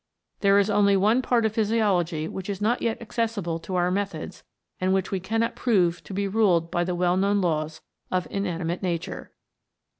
There is only one part of physiology which is not yet accessible to our methods and which we cannot prove to be ruled by the well known laws of inanimate Nature.